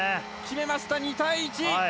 決めました、２対１。